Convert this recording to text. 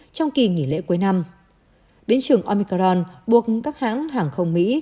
trong kỳ nghỉ lễ cuối năm biến trường omicron buộc các hãng hàng không mỹ